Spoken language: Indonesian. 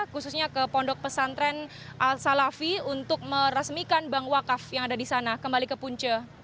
khususnya ke pondok pesantren al salafi untuk meresmikan bank wakaf yang ada di sana kembali ke punca